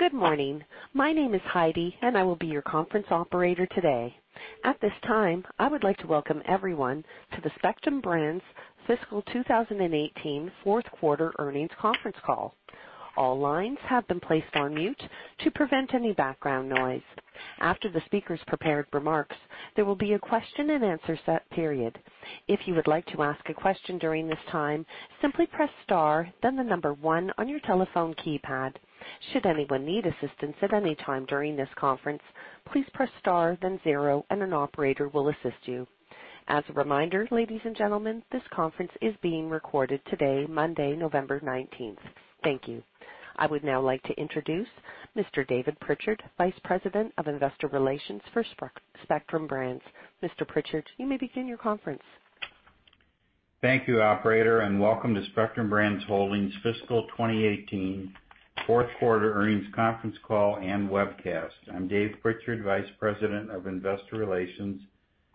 Good morning. My name is Heidi, and I will be your conference operator today. At this time, I would like to welcome everyone to the Spectrum Brands Fiscal 2018 Fourth Quarter Earnings Conference Call. All lines have been placed on mute to prevent any background noise. After the speaker's prepared remarks, there will be a question and answer set period. If you would like to ask a question during this time, simply press star, then the number one on your telephone keypad. Should anyone need assistance at any time during this conference, please press star, then zero, and an operator will assist you. As a reminder, ladies and gentlemen, this conference is being recorded today, Monday, November 19th. Thank you. I would now like to introduce Mr. David Prichard, Vice President of Investor Relations for Spectrum Brands. Mr. Prichard, you may begin your conference. Thank you, operator. Welcome to Spectrum Brands Holdings Fiscal 2018 Fourth Quarter Earnings Conference Call and webcast. I'm Dave Prichard, Vice President of Investor Relations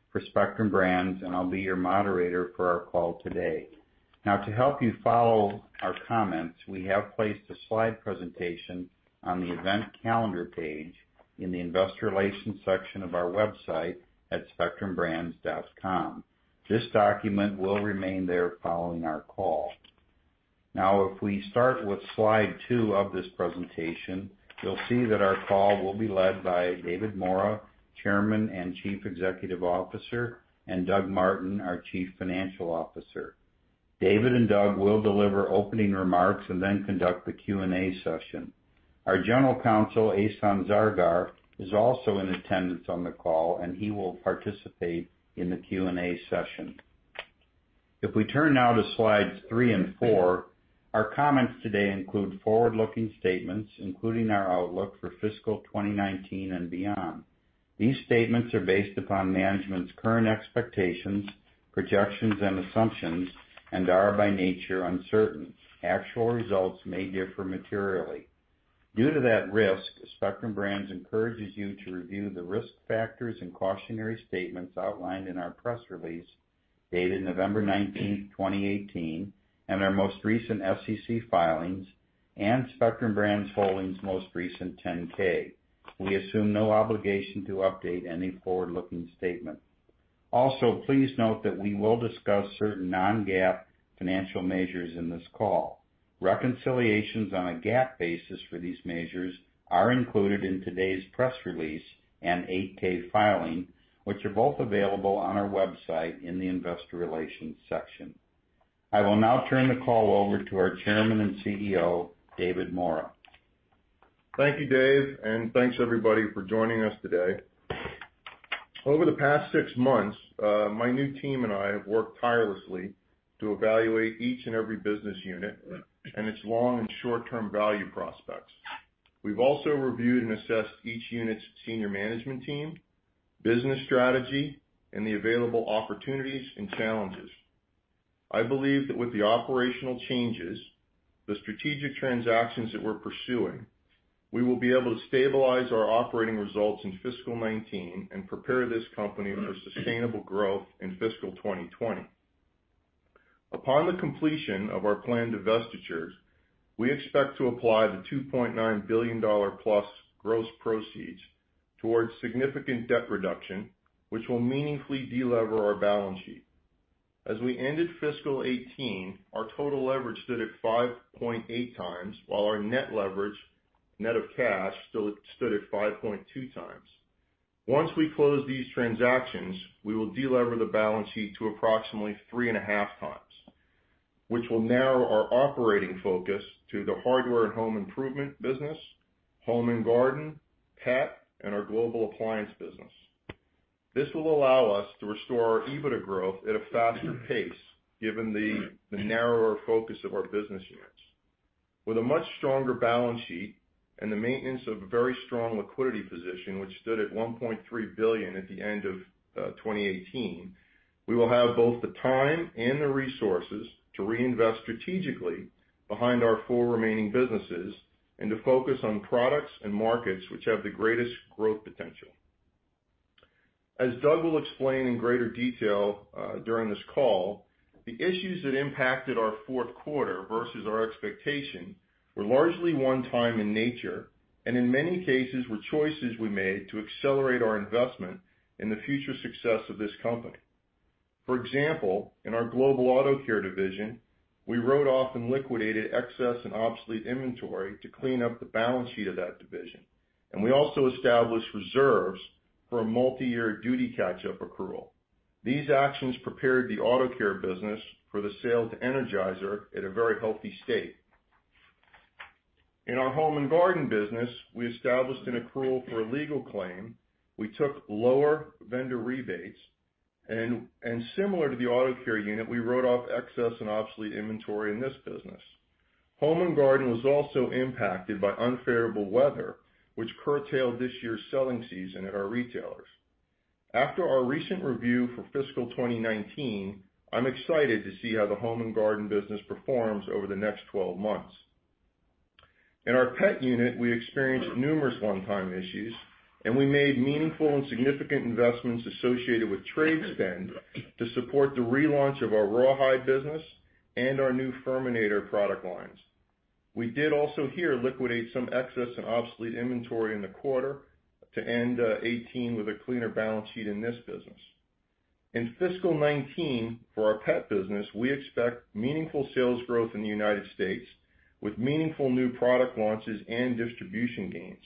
for Spectrum Brands, and I'll be your moderator for our call today. To help you follow our comments, we have placed a slide presentation on the event calendar page in the investor relations section of our website at spectrumbrands.com. This document will remain there following our call. If we start with slide two of this presentation, you'll see that our call will be led by David Maura, Chairman and Chief Executive Officer, and Doug Martin, our Chief Financial Officer. David and Doug will deliver opening remarks and then conduct the Q&A session. Our General Counsel, Ehsan Zargar, is also in attendance on the call. He will participate in the Q&A session. If we turn now to slides three and four, our comments today include forward-looking statements, including our outlook for fiscal 2019 and beyond. These statements are based upon management's current expectations, projections, and assumptions and are by nature uncertain. Actual results may differ materially. Due to that risk, Spectrum Brands encourages you to review the risk factors and cautionary statements outlined in our press release dated November 19, 2018 and our most recent SEC filings and Spectrum Brands Holdings's most recent 10-K. We assume no obligation to update any forward-looking statement. Also, please note that we will discuss certain non-GAAP financial measures in this call. Reconciliations on a GAAP basis for these measures are included in today's press release and 8-K filing, which are both available on our website in the investor relations section. I will now turn the call over to our Chairman and CEO, David Maura. Thank you, Dave. Thanks everybody for joining us today. Over the past six months, my new team and I have worked tirelessly to evaluate each and every business unit and its long and short-term value prospects. We've also reviewed and assessed each unit's senior management team, business strategy, and the available opportunities and challenges. I believe that with the operational changes, the strategic transactions that we're pursuing, we will be able to stabilize our operating results in fiscal 2019 and prepare this company for sustainable growth in fiscal 2020. Upon the completion of our planned divestitures, we expect to apply the $2.9 billion-plus gross proceeds towards significant debt reduction, which will meaningfully de-lever our balance sheet. As we ended fiscal 2018, our total leverage stood at 5.8 times, while our net leverage, net of cash, stood at 5.2 times. Once we close these transactions, we will de-lever the balance sheet to approximately three and a half times, which will narrow our operating focus to the Hardware and Home Improvement business, Home & Garden, pet, and our global appliance business. This will allow us to restore our EBITDA growth at a faster pace given the narrower focus of our business units. With a much stronger balance sheet and the maintenance of a very strong liquidity position, which stood at $1.3 billion at the end of 2018, we will have both the time and the resources to reinvest strategically behind our four remaining businesses and to focus on products and markets which have the greatest growth potential. As Doug will explain in greater detail during this call, the issues that impacted our fourth quarter versus our expectation were largely one-time in nature, and in many cases were choices we made to accelerate our investment in the future success of this company. For example, in our Global Auto Care division, we wrote off and liquidated excess and obsolete inventory to clean up the balance sheet of that division, and we also established reserves for a multiyear duty catch-up accrual. These actions prepared the auto care business for the sale to Energizer at a very healthy state. In our Home & Garden business, we established an accrual for a legal claim. We took lower vendor rebates and, similar to the auto care unit, we wrote off excess and obsolete inventory in this business. Home & Garden was also impacted by unfavorable weather, which curtailed this year's selling season at our retailers. After our recent review for fiscal 2019, I'm excited to see how the Home & Garden business performs over the next 12 months. In our pet unit, we experienced numerous one-time issues, and we made meaningful and significant investments associated with trade spend to support the relaunch of our Rawhide business and our new FURminator product lines. We did also here liquidate some excess and obsolete inventory in the quarter to end 2018 with a cleaner balance sheet in this business. In fiscal 2019, for our pet business, we expect meaningful sales growth in the United States, with meaningful new product launches and distribution gains.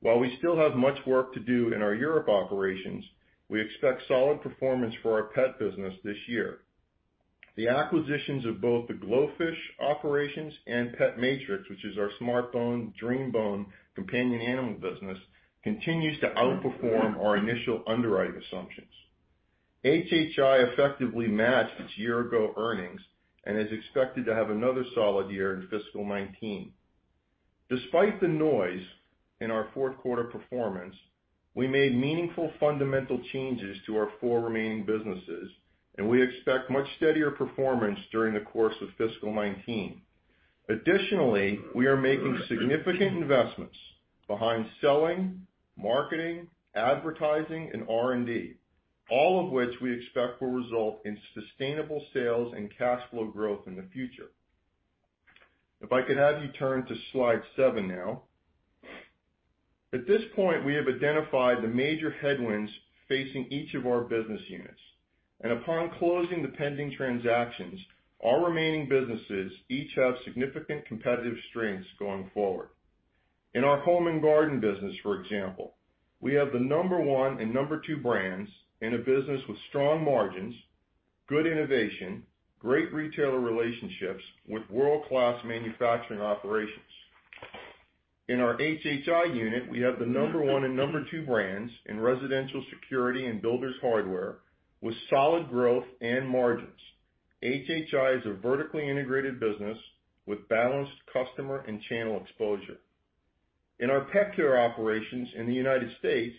While we still have much work to do in our Europe operations, we expect solid performance for our pet business this year. The acquisitions of both the GloFish operations and PetMatrix, which is our SmartBones, DreamBone, companion animal business, continues to outperform our initial underwriting assumptions. HHI effectively matched its year-ago earnings and is expected to have another solid year in fiscal 2019. Despite the noise in our fourth quarter performance, we made meaningful fundamental changes to our four remaining businesses, and we expect much steadier performance during the course of fiscal 2019. Additionally, we are making significant investments behind selling, marketing, advertising, and R&D, all of which we expect will result in sustainable sales and cash flow growth in the future. If I could have you turn to slide seven now. At this point, we have identified the major headwinds facing each of our business units. Upon closing the pending transactions, our remaining businesses each have significant competitive strengths going forward. In our Home & Garden business, for example, we have the number one and number two brands in a business with strong margins, good innovation, great retailer relationships, with world-class manufacturing operations. In our HHI unit, we have the number one and number two brands in residential security and builders' hardware, with solid growth and margins. HHI is a vertically integrated business with balanced customer and channel exposure. In our Pet Care operations in the United States,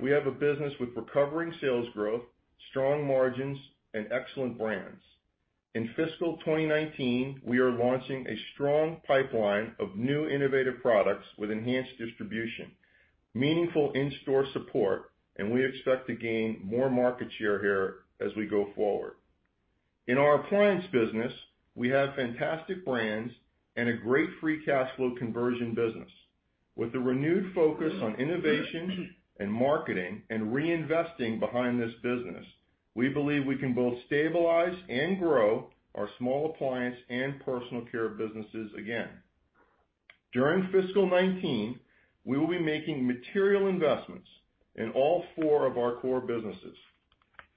we have a business with recovering sales growth, strong margins, and excellent brands. In fiscal 2019, we are launching a strong pipeline of new innovative products with enhanced distribution, meaningful in-store support, and we expect to gain more market share here as we go forward. In our appliance business, we have fantastic brands and a great free cash flow conversion business. With a renewed focus on innovation and marketing and reinvesting behind this business, we believe we can both stabilize and grow our small appliance and personal care businesses again. During fiscal 2019, we will be making material investments in all four of our core businesses.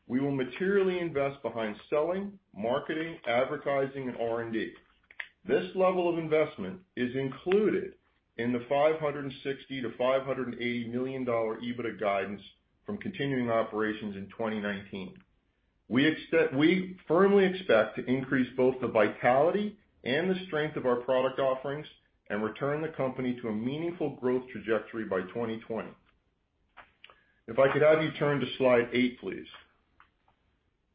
We will materially invest behind selling, marketing, advertising, and R&D. This level of investment is included in the $560 million to $580 million EBITDA guidance from continuing operations in 2019. We firmly expect to increase both the vitality and the strength of our product offerings and return the company to a meaningful growth trajectory by 2020. If I could have you turn to slide eight, please.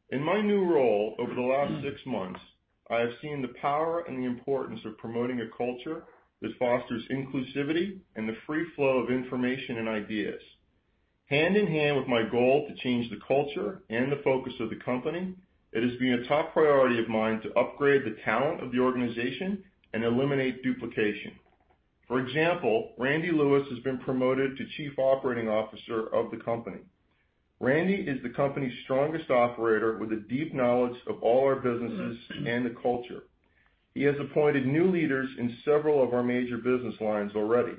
In my new role over the last six months, I have seen the power and the importance of promoting a culture that fosters inclusivity and the free flow of information and ideas. Hand in hand with my goal to change the culture and the focus of the company, it has been a top priority of mine to upgrade the talent of the organization and eliminate duplication. For example, Randy Lewis has been promoted to Chief Operating Officer of the company. Randy is the company's strongest operator with a deep knowledge of all our businesses and the culture. He has appointed new leaders in several of our major business lines already.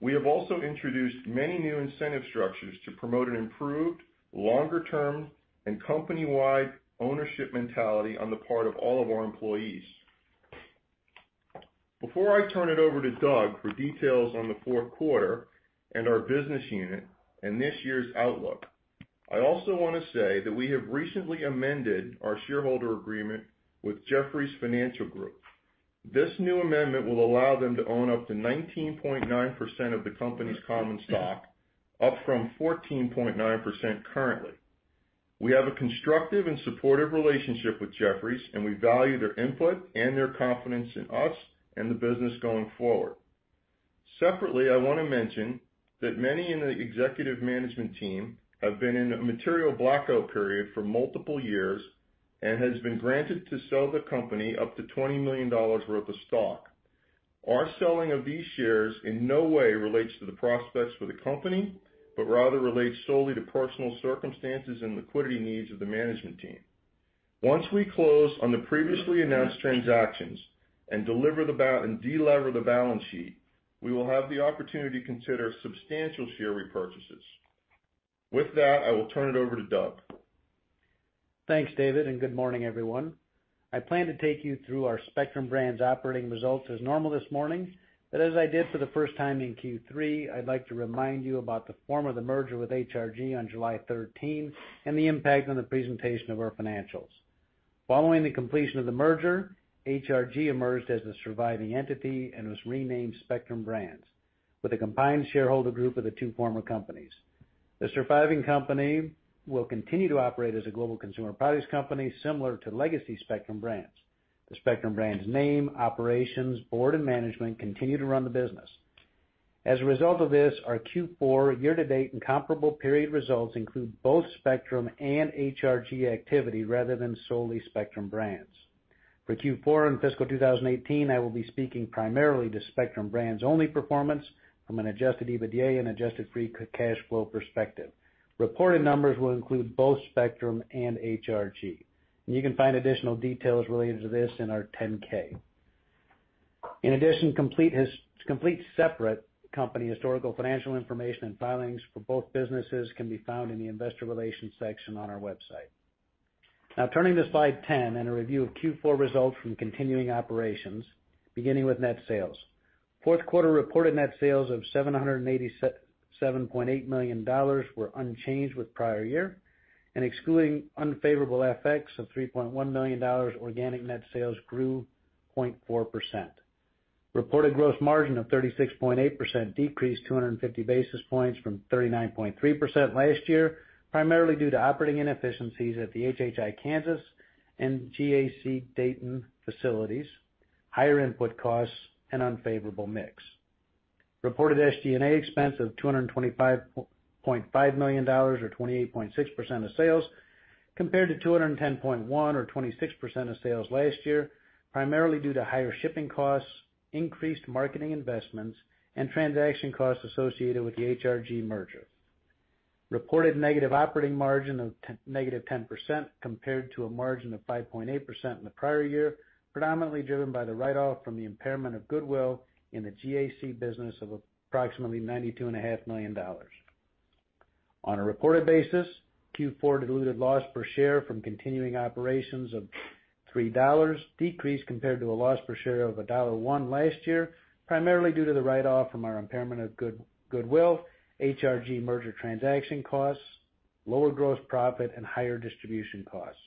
We have also introduced many new incentive structures to promote an improved, longer-term, and company-wide ownership mentality on the part of all of our employees. Before I turn it over to Doug for details on the fourth quarter and our business unit and this year's outlook, I also want to say that we have recently amended our shareholder agreement with Jefferies Financial Group. This new amendment will allow them to own up to 19.9% of the company's common stock, up from 14.9% currently. We have a constructive and supportive relationship with Jefferies, and we value their input and their confidence in us and the business going forward. Separately, I want to mention that many in the executive management team have been in a material blackout period for multiple years and has been granted to sell the company up to $20 million worth of stock. Our selling of these shares in no way relates to the prospects for the company, but rather relates solely to personal circumstances and liquidity needs of the management team. Once we close on the previously announced transactions and delever the balance sheet, we will have the opportunity to consider substantial share repurchases. With that, I will turn it over to Doug. Thanks, David, and good morning, everyone. I plan to take you through our Spectrum Brands operating results as normal this morning. As I did for the first time in Q3, I'd like to remind you about the form of the merger with HRG on July 13 and the impact on the presentation of our financials. Following the completion of the merger, HRG emerged as the surviving entity and was renamed Spectrum Brands, with a combined shareholder group of the two former companies. The surviving company will continue to operate as a global consumer products company similar to legacy Spectrum Brands. The Spectrum Brands name, operations, board, and management continue to run the business. As a result of this, our Q4 year-to-date and comparable period results include both Spectrum and HRG activity rather than solely Spectrum Brands. For Q4 and fiscal 2018, I will be speaking primarily to Spectrum Brands only performance from an adjusted EBITDA and adjusted free cash flow perspective. Reported numbers will include both Spectrum and HRG. You can find additional details related to this in our 10-K. In addition, complete separate company historical financial information and filings for both businesses can be found in the investor relations section on our website. Turning to slide 10 and a review of Q4 results from continuing operations, beginning with net sales. Fourth quarter reported net sales of $787.8 million were unchanged with prior year, and excluding unfavorable FX of $3.1 million, organic net sales grew 0.4%. Reported gross margin of 36.8% decreased 250 basis points from 39.3% last year, primarily due to operating inefficiencies at the HHI Kansas and GAC Dayton facilities, higher input costs, and unfavorable mix. Reported SG&A expense of $225.5 million or 28.6% of sales, compared to $210.1 million or 26% of sales last year, primarily due to higher shipping costs, increased marketing investments, and transaction costs associated with the HRG merger. Reported negative operating margin of negative 10%, compared to a margin of 5.8% in the prior year, predominantly driven by the write-off from the impairment of goodwill in the GAC business of approximately $92.5 million. On a reported basis, Q4 diluted loss per share from continuing operations of $3 decreased compared to a loss per share of $1.01 last year, primarily due to the write-off from our impairment of goodwill, HRG merger transaction costs, lower gross profit, and higher distribution costs.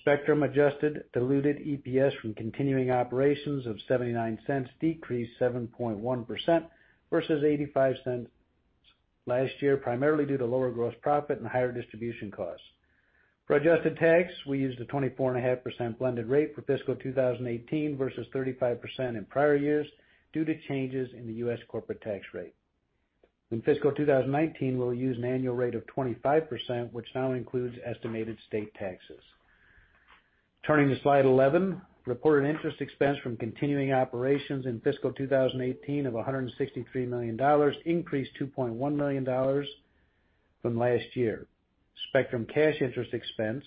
Spectrum adjusted diluted EPS from continuing operations of $0.79 decreased 7.1% versus $0.85 last year, primarily due to lower gross profit and higher distribution costs. For adjusted tax, we used a 24.5% blended rate for fiscal 2018 versus 35% in prior years due to changes in the U.S. corporate tax rate. In fiscal 2019, we'll use an annual rate of 25%, which now includes estimated state taxes. Turning to slide 11, reported interest expense from continuing operations in fiscal 2018 of $163 million increased $2.1 million from last year. Spectrum cash interest expense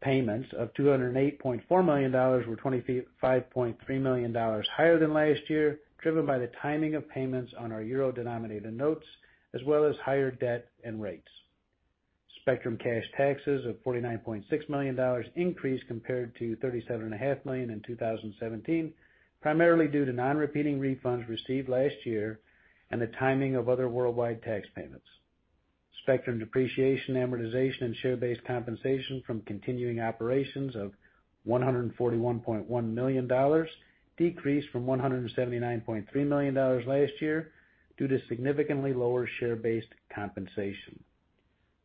payments of $208.4 million were $25.3 million higher than last year, driven by the timing of payments on our euro-denominated notes, as well as higher debt and rates. Spectrum cash taxes of $49.6 million increased compared to $37.5 million in 2017, primarily due to non-repeating refunds received last year and the timing of other worldwide tax payments. Spectrum depreciation, amortization, and share-based compensation from continuing operations of $141.1 million decreased from $179.3 million last year due to significantly lower share-based compensation.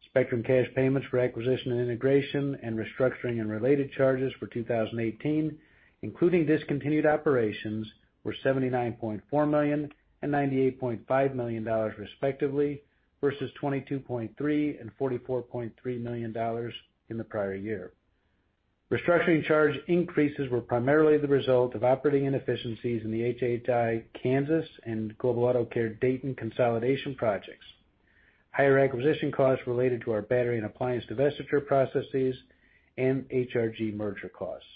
Spectrum cash payments for acquisition and integration and restructuring and related charges for 2018, including discontinued operations, were $79.4 million and $98.5 million, respectively, versus $22.3 million and $44.3 million in the prior year. Restructuring charge increases were primarily the result of operating inefficiencies in the HHI Kansas and Global Auto Care Dayton consolidation projects, higher acquisition costs related to our battery and appliance divestiture processes, and HRG merger costs.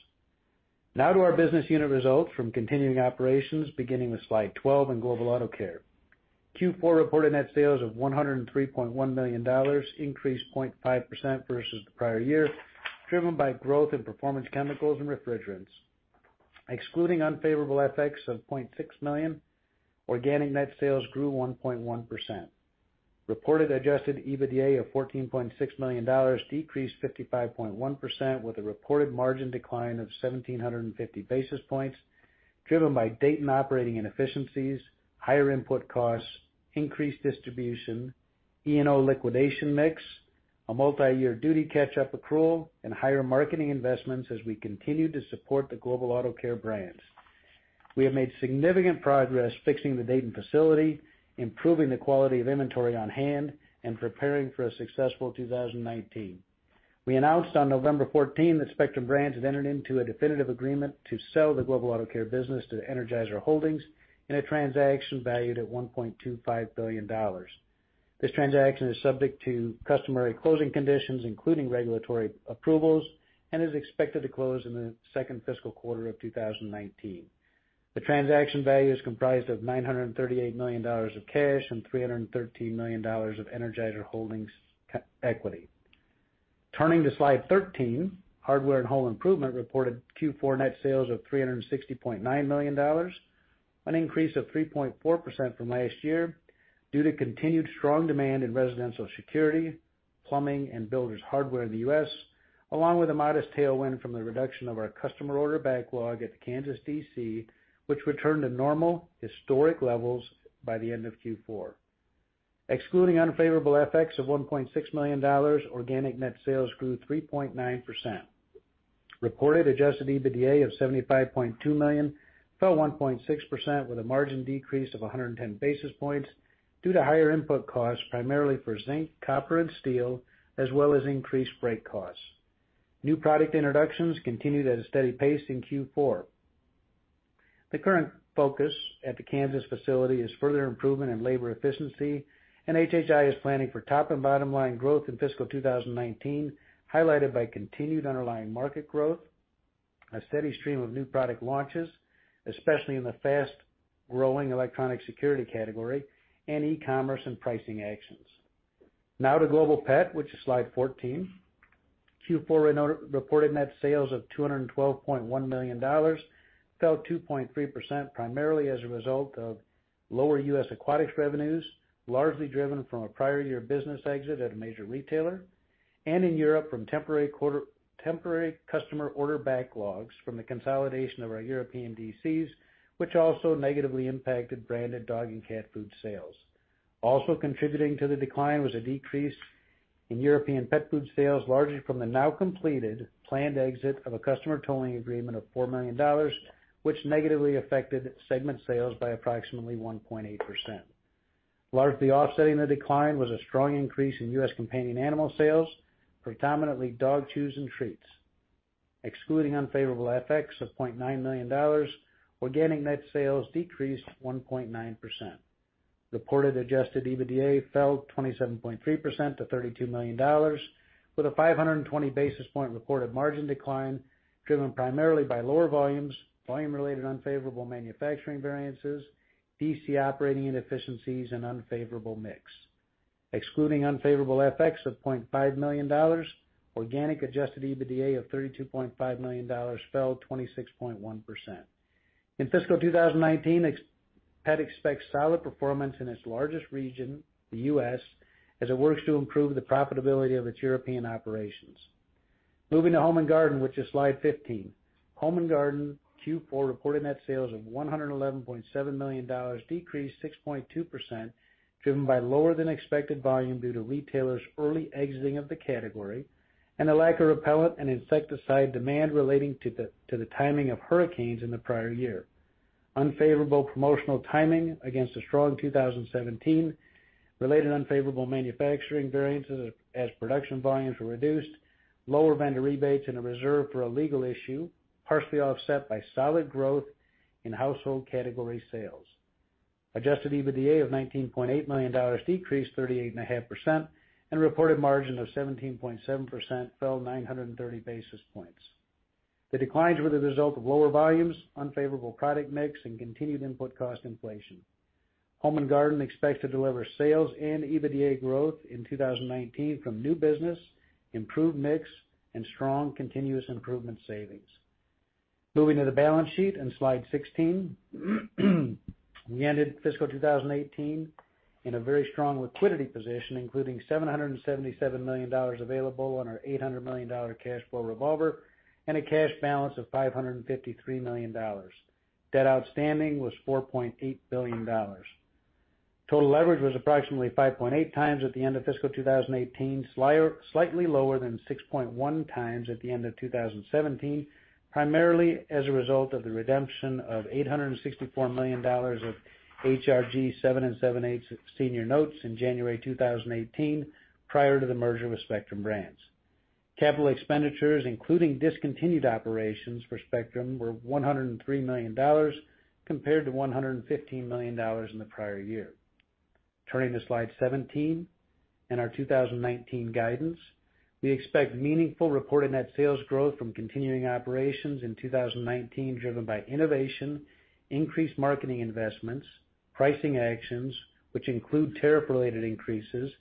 To our business unit results from continuing operations beginning with slide 12 and Global Auto Care. Q4 reported net sales of $103.1 million increased 0.5% versus the prior year, driven by growth in performance chemicals and refrigerants. Excluding unfavorable FX of $0.6 million, organic net sales grew 1.1%. Reported adjusted EBITDA of $14.6 million decreased 55.1% with a reported margin decline of 1,750 basis points driven by Dayton operating inefficiencies, higher input costs, increased distribution, E&O liquidation mix, a multiyear duty catch-up accrual, and higher marketing investments as we continue to support the Global Auto Care brands. We have made significant progress fixing the Dayton facility, improving the quality of inventory on hand, and preparing for a successful 2019. We announced on November 14 that Spectrum Brands had entered into a definitive agreement to sell the Global Auto Care business to Energizer Holdings in a transaction valued at $1.25 billion. This transaction is subject to customary closing conditions, including regulatory approvals, and is expected to close in the second fiscal quarter of 2019. The transaction value is comprised of $938 million of cash and $313 million of Energizer Holdings equity. Turning to slide 13, Hardware and Home Improvement reported Q4 net sales of $360.9 million, an increase of 3.4% from last year due to continued strong demand in residential security, plumbing, and builder's hardware in the U.S., along with a modest tailwind from the reduction of our customer order backlog at the Kansas DC, which returned to normal historic levels by the end of Q4. Excluding unfavorable FX of $1.6 million, organic net sales grew 3.9%. Reported adjusted EBITDA of $75.2 million fell 1.6% with a margin decrease of 110 basis points due to higher input costs, primarily for zinc, copper, and steel, as well as increased freight costs. New product introductions continued at a steady pace in Q4. The current focus at the Kansas facility is further improvement in labor efficiency, and HHI is planning for top and bottom line growth in fiscal 2019, highlighted by continued underlying market growth, a steady stream of new product launches, especially in the fast-growing electronic security category, and e-commerce and pricing actions. To Global Pet, which is slide 14. Q4 reported net sales of $212.1 million fell 2.3%, primarily as a result of lower U.S. Aquatics revenues, largely driven from a prior year business exit at a major retailer, and in Europe from temporary customer order backlogs from the consolidation of our European DCs, which also negatively impacted branded dog and cat food sales. Also contributing to the decline was a decrease in European pet food sales, largely from the now completed planned exit of a customer tooling agreement of $4 million, which negatively affected segment sales by approximately 1.8%. Largely offsetting the decline was a strong increase in U.S. companion animal sales, predominantly dog chews and treats. Excluding unfavorable FX of $0.9 million, organic net sales decreased 1.9%. Reported adjusted EBITDA fell 27.3% to $32 million, with a 520 basis point reported margin decline, driven primarily by lower volumes, volume-related unfavorable manufacturing variances, DC operating inefficiencies, and unfavorable mix. Excluding unfavorable FX of $0.5 million, organic adjusted EBITDA of $32.5 million fell 26.1%. In fiscal 2019, Pet expects solid performance in its largest region, the U.S., as it works to improve the profitability of its European operations. Moving to Home & Garden, which is slide 15. Home & Garden Q4 reported net sales of $111.7 million, decreased 6.2%, driven by lower than expected volume due to retailers' early exiting of the category, and a lack of repellent and insecticide demand relating to the timing of hurricanes in the prior year. Unfavorable promotional timing against a strong 2017 related unfavorable manufacturing variances as production volumes were reduced, lower vendor rebates, and a reserve for a legal issue, partially offset by solid growth in household category sales. Adjusted EBITDA of $19.8 million, decreased 38.5%, and reported margin of 17.7% fell 930 basis points. The declines were the result of lower volumes, unfavorable product mix, and continued input cost inflation. Home & Garden expects to deliver sales and EBITDA growth in 2019 from new business, improved mix, and strong continuous improvement savings. Moving to the balance sheet in slide 16. We ended fiscal 2018 in a very strong liquidity position, including $777 million available on our $800 million cash flow revolver and a cash balance of $553 million. Debt outstanding was $4.8 billion. Total leverage was approximately 5.8 times at the end of fiscal 2018, slightly lower than 6.1 times at the end of 2017, primarily as a result of the redemption of $864 million of HRG 7 and 7/8 senior notes in January 2018, prior to the merger with Spectrum Brands. Capital expenditures, including discontinued operations for Spectrum, were $103 million compared to $115 million in the prior year. Turning to slide 17 and our 2019 guidance. We expect meaningful reported net sales growth from continuing operations in 2019, driven by innovation, increased marketing investments, pricing actions, which include tariff-related increases,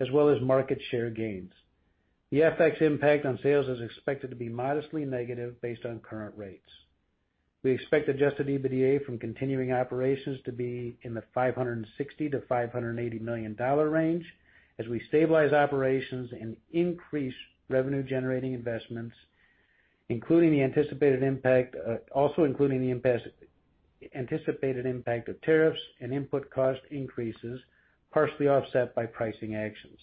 as well as market share gains. The FX impact on sales is expected to be modestly negative based on current rates. We expect adjusted EBITDA from continuing operations to be in the $560 million-$580 million range as we stabilize operations and increase revenue-generating investments, also including the anticipated impact of tariffs and input cost increases, partially offset by pricing actions.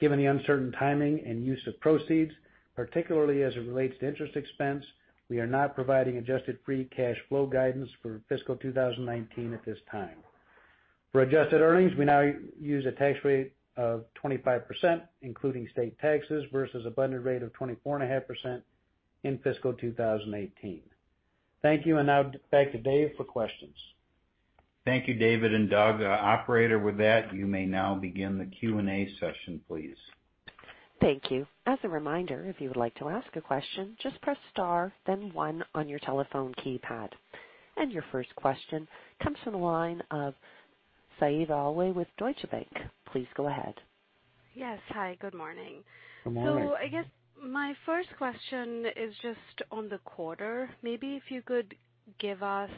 Given the uncertain timing and use of proceeds, particularly as it relates to interest expense, we are not providing adjusted free cash flow guidance for fiscal 2019 at this time. For adjusted earnings, we now use a tax rate of 25%, including state taxes, versus a blended rate of 24.5% in fiscal 2018. Thank you, and now back to Dave for questions. Thank you, David and Doug. Operator, with that, you may now begin the Q&A session, please. Thank you. As a reminder, if you would like to ask a question, just press star, then one on your telephone keypad. Your first question comes from the line of Faiza Alwy with Deutsche Bank. Please go ahead. Yes. Hi, good morning. Good morning. I guess my first question is just on the quarter. Maybe if you could give us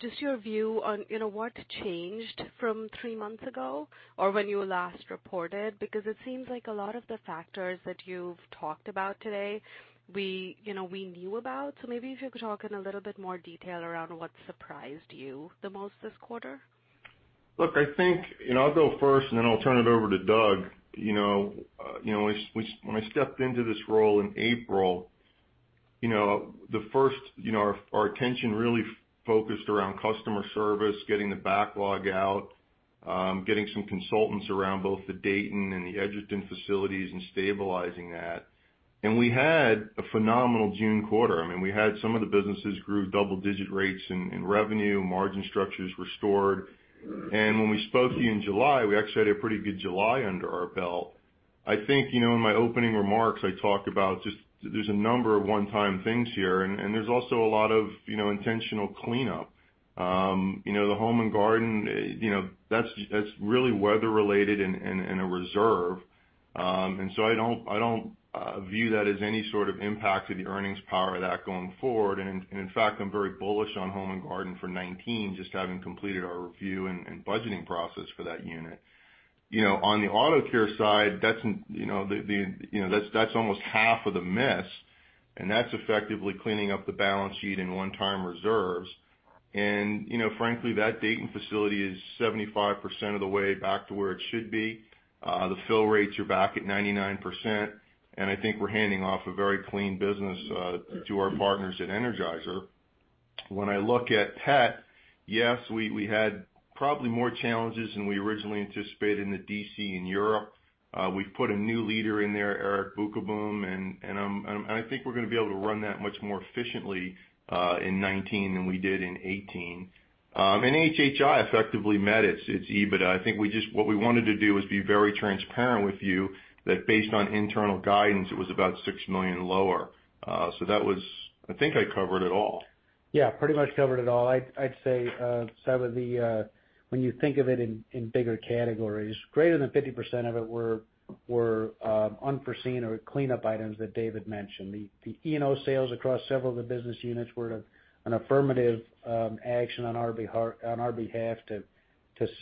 just your view on what changed from three months ago or when you last reported, because it seems like a lot of the factors that you've talked about today we knew about. Maybe if you could talk in a little bit more detail around what surprised you the most this quarter? Look, I think I'll go first, then I'll turn it over to Doug. When I stepped into this role in April, our attention really focused around customer service, getting the backlog out, getting some consultants around both the Dayton and the Edgerton facilities, and stabilizing that. We had a phenomenal June quarter. We had some of the businesses grew double-digit rates in revenue, margin structures restored. When we spoke to you in July, we actually had a pretty good July under our belt. I think, in my opening remarks, I talked about just, there's a number of one-time things here, and there's also a lot of intentional cleanup. The Home & Garden, that's really weather related and a reserve. I don't view that as any sort of impact to the earnings power of that going forward. In fact, I'm very bullish on Home & Garden for 2019, just having completed our review and budgeting process for that unit. On the auto care side, that's almost half of the miss, and that's effectively cleaning up the balance sheet and one-time reserves. Frankly, that Dayton facility is 75% of the way back to where it should be. The fill rates are back at 99%, and I think we're handing off a very clean business to our partners at Energizer. When I look at pet, yes, we had probably more challenges than we originally anticipated in the DC in Europe. We've put a new leader in there, Eric Beukeboom, and I think we're going to be able to run that much more efficiently in 2019 than we did in 2018. HHI effectively met its EBITDA. I think what we wanted to do was be very transparent with you that based on internal guidance, it was about $6 million lower. I think I covered it all. Yeah, pretty much covered it all. I'd say, some of the, when you think of it in bigger categories, greater than 50% of it were unforeseen or cleanup items that David mentioned. The E&O sales across several of the business units were an affirmative action on our behalf to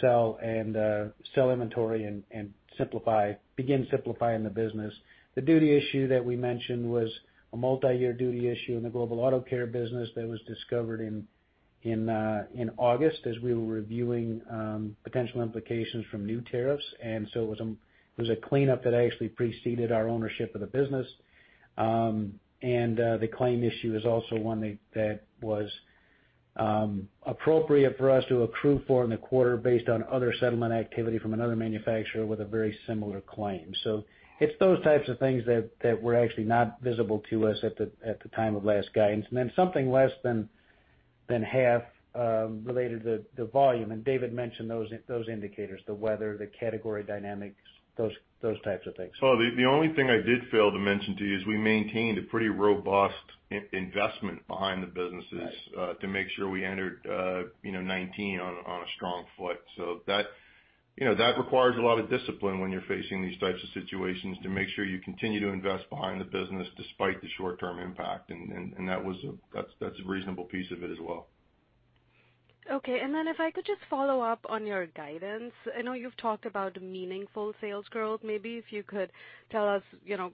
sell inventory and begin simplifying the business. The duty issue that we mentioned was a multi-year duty issue in the Global Auto Care business that was discovered in August as we were reviewing potential implications from new tariffs. It was a cleanup that actually preceded our ownership of the business. The claim issue is also one that was appropriate for us to accrue for in the quarter based on other settlement activity from another manufacturer with a very similar claim. It's those types of things that were actually not visible to us at the time of last guidance. Something less than half related to the volume, and David mentioned those indicators, the weather, the category dynamics, those types of things. Well, the only thing I did fail to mention to you is we maintained a pretty robust investment behind the businesses- Right to make sure we entered 2019 on a strong foot. That requires a lot of discipline when you're facing these types of situations to make sure you continue to invest behind the business despite the short-term impact, and that's a reasonable piece of it as well. Okay. If I could just follow up on your guidance. I know you've talked about meaningful sales growth. Maybe if you could tell us,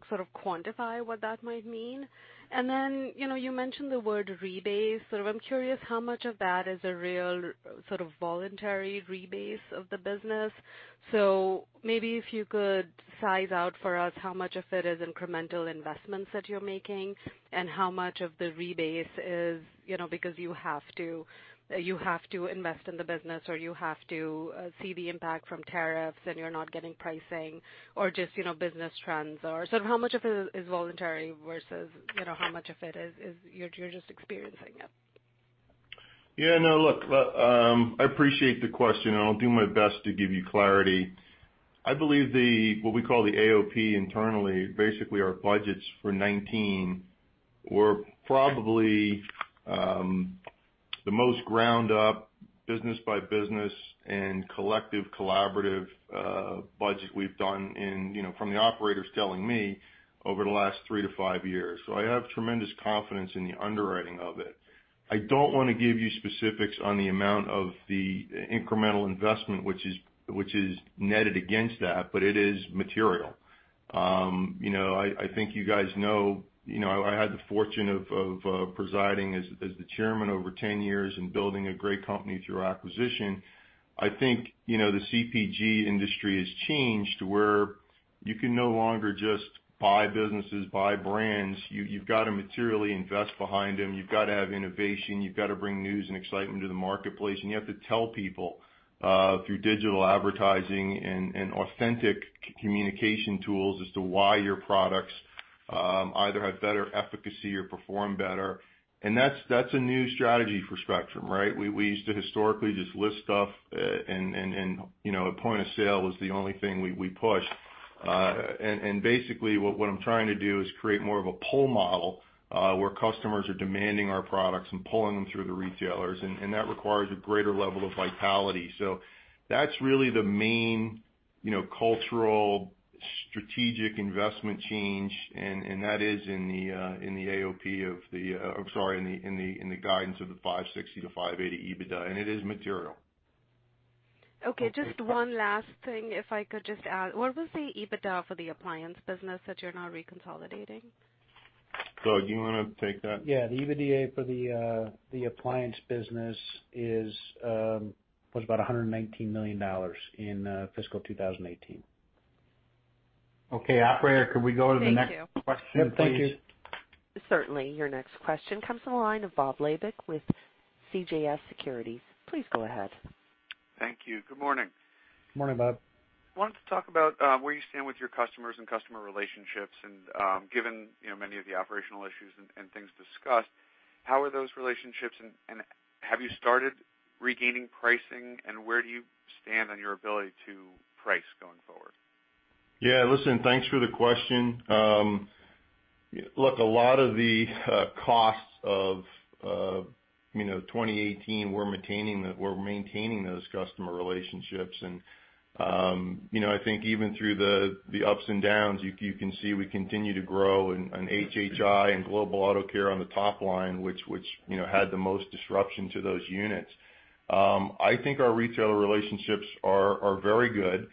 sort of quantify what that might mean. You mentioned the word rebase. I'm curious how much of that is a real sort of voluntary rebase of the business. Maybe if you could size out for us how much of it is incremental investments that you're making and how much of the rebase is because you have to invest in the business, or you have to see the impact from tariffs, and you're not getting pricing or just business trends are. How much of it is voluntary versus how much of it is you're just experiencing it? Yeah, no, look, I appreciate the question, and I'll do my best to give you clarity. I believe the, what we call the AOP internally, basically our budgets for 2019, were probably the most ground-up business by business and collective collaborative budget we've done in, from the operators telling me, over the last three to five years. I have tremendous confidence in the underwriting of it. I don't want to give you specifics on the amount of the incremental investment, which is netted against that, but it is material. I think you guys know, I had the fortune of presiding as the chairman over 10 years and building a great company through acquisition. I think, the CPG industry has changed to where you can no longer just buy businesses, buy brands. You've got to materially invest behind them. You've got to have innovation. You've got to bring news and excitement to the marketplace, and you have to tell people, through digital advertising and authentic communication tools as to why your products either have better efficacy or perform better. That's a new strategy for Spectrum, right? We used to historically just list stuff and a point of sale was the only thing we pushed. What I'm trying to do is create more of a pull model, where customers are demanding our products and pulling them through the retailers, and that requires a greater level of vitality. That's really the main cultural strategic investment change, and that is in the AOP, I'm sorry, in the guidance of the $560-$580 EBITDA, and it is material. Okay. Just one last thing, if I could just add. What was the EBITDA for the appliance business that you're now reconsolidating? Doug, you want to take that? Yeah. The EBITDA for the appliance business was about $119 million in fiscal 2018. Okay. Operator, could we go to the next question, please? Thank you. Yep. Thank you. Certainly. Your next question comes from the line of Robert Labick with CJS Securities. Please go ahead. Thank you. Good morning. Morning, Bob. I wanted to talk about where you stand with your customers and customer relationships and given many of the operational issues and things discussed, how are those relationships and have you started regaining pricing and where do you stand on your ability to price going forward? Yeah. Listen, thanks for the question. Look, a lot of the costs of 2018, we're maintaining those customer relationships and I think even through the ups and downs, you can see we continue to grow in HHI and Global Auto Care on the top line, which had the most disruption to those units. I think our retailer relationships are very good.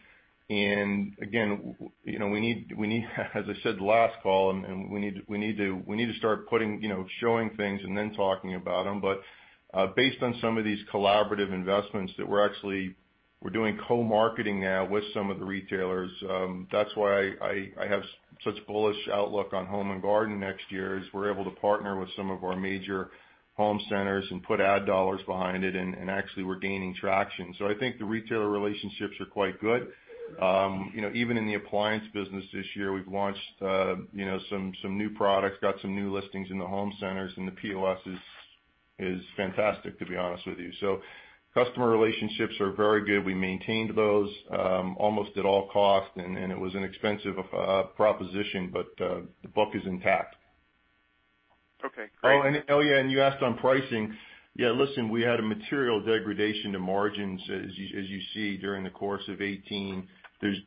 Again, as I said last call, we need to start showing things and then talking about them. Based on some of these collaborative investments that we're doing co-marketing now with some of the retailers. That's why I have such bullish outlook on Home & Garden next year, is we're able to partner with some of our major home centers and put ad dollars behind it, and actually we're gaining traction. I think the retailer relationships are quite good. Even in the appliance business this year, we've launched some new products, got some new listings in the home centers, and the POS is fantastic, to be honest with you. Customer relationships are very good. We maintained those almost at all costs, and it was an expensive proposition, but the book is intact. Okay, great. You asked on pricing. We had a material degradation to margins as you see, during the course of 2018.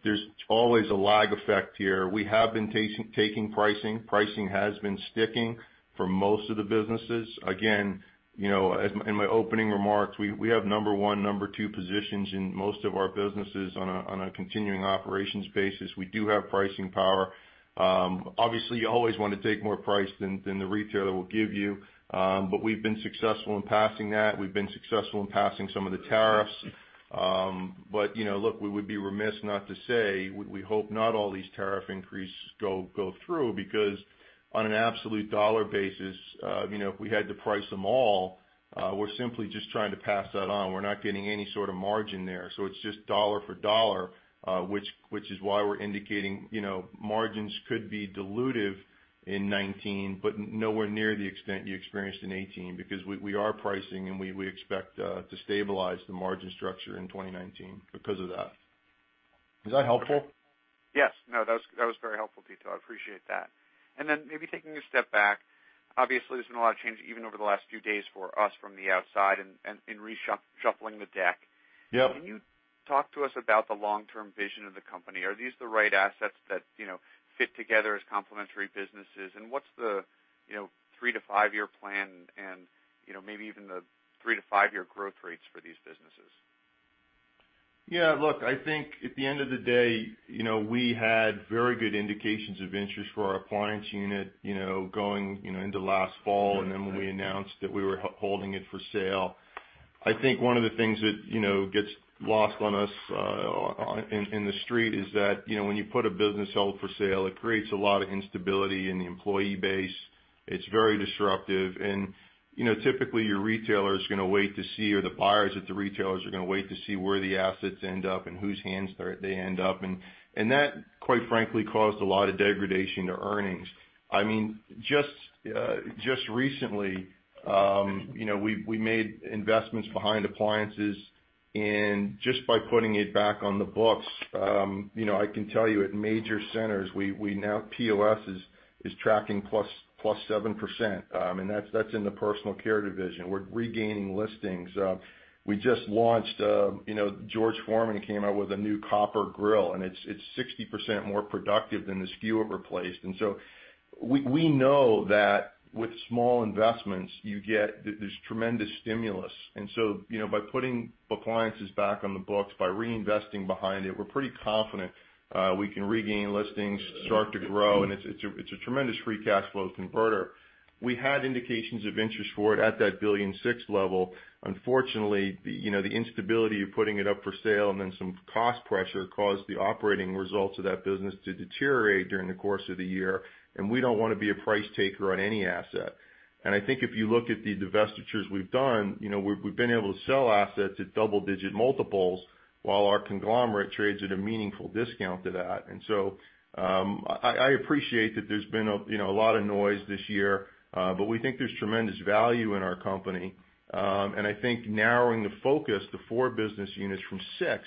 There's always a lag effect here. We have been taking pricing. Pricing has been sticking for most of the businesses. Again, in my opening remarks, we have number one, number two positions in most of our businesses on a continuing operations basis. We do have pricing power. You always want to take more price than the retailer will give you, but we've been successful in passing that. We've been successful in passing some of the tariffs. We would be remiss not to say, we hope not all these tariff increases go through because on an absolute dollar basis, if we had to price them all, we're simply just trying to pass that on. We're not getting any sort of margin there. It's just dollar for dollar, which is why we're indicating margins could be dilutive in 2019 but nowhere near the extent you experienced in 2018 because we are pricing, and we expect to stabilize the margin structure in 2019 because of that. Is that helpful? Yes. No, that was very helpful detail. I appreciate that. Maybe taking a step back, there's been a lot of change even over the last few days for us from the outside and in reshuffling the deck. Yep. Can you talk to us about the long-term vision of the company? Are these the right assets that fit together as complementary businesses? What's the three to five-year plan and maybe even the three to five-year growth rates for these businesses? Look, I think at the end of the day, we had very good indications of interest for our appliance unit going into last fall. When we announced that we were holding it for sale, I think one of the things that gets lost on us in the street is that when you put a business out for sale, it creates a lot of instability in the employee base. It's very disruptive and typically, your retailer is going to wait to see, or the buyers at the retailers are going to wait to see where the assets end up and whose hands they end up in. That, quite frankly, caused a lot of degradation to earnings. Just recently, we made investments behind appliances. Just by putting it back on the books, I can tell you at major centers, we now POS is tracking +7%, and that's in the personal care division. We're regaining listings. We just launched George Foreman came out with a new copper grill, and it's 60% more productive than the SKU it replaced. We know that with small investments, there's tremendous stimulus. By putting appliances back on the books, by reinvesting behind it, we're pretty confident we can regain listings, start to grow, and it's a tremendous free cash flow converter. We had indications of interest for it at that $1.6 billion level. Unfortunately, the instability of putting it up for sale and some cost pressure caused the operating results of that business to deteriorate during the course of the year. We don't want to be a price taker on any asset. I think if you look at the divestitures we've done, we've been able to sell assets at double-digit multiples while our conglomerate trades at a meaningful discount to that. I appreciate that there's been a lot of noise this year, but we think there's tremendous value in our company. I think narrowing the focus to four business units from six,